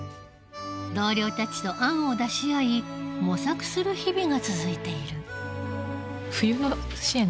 同僚たちと案を出し合い模索する日々が続いている。